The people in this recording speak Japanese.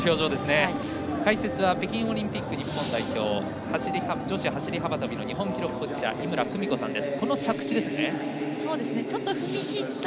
解説は北京オリンピック日本代表女子走り幅跳びの日本記録保持者井村久美子さんです。